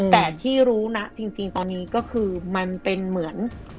แต่ที่รู้นะจริงตอนนี้ก็คือมันเป็นเหมือน